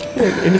ini kenyataan ibu